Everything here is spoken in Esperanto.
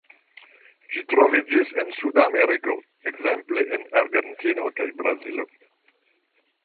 Ĝi troviĝis en Suda Ameriko, ekzemple en Argentino kaj Brazilo.